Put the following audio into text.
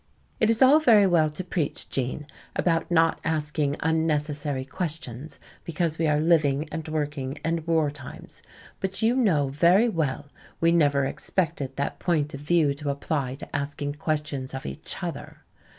"It is all very well to preach, Gene, about not asking unnecessary questions because we are living and working in war times. But you know very well we never expected that point of view to apply to asking questions of each other.